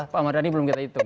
pak mardhani belum kita hitung